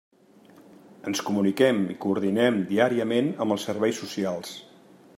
Ens comuniquem i coordinem diàriament amb els Serveis Socials.